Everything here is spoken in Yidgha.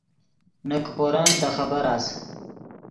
نے کیپورن دے خبر اس